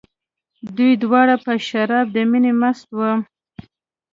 دوی دواړه په شراب د مینې مست وو.